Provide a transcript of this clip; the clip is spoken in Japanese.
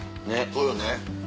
そうよね。